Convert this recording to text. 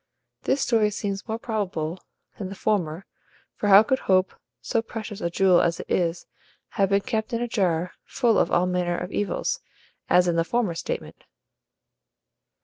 This story seems more probable than the former; for how could HOPE, so precious a jewel as it is, have been kept in a jar full of all manner of evils, as in the former statement?